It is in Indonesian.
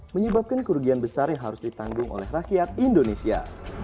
menyebabkan kerugian besar yang harus ditanggung oleh rakyat indonesia